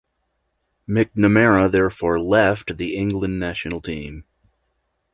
McNamara therefore left the England national team.